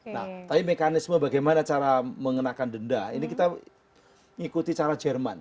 nah tapi mekanisme bagaimana cara mengenakan denda ini kita mengikuti cara jerman